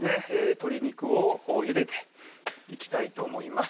鶏肉をゆでていきたいと思います